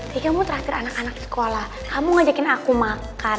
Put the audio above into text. kikimu terakhir anak anak sekolah kamu ngajakin aku makan